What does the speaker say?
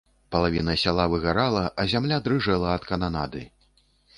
Палавіна сяла выгарала, а зямля дрыжэла ад кананады.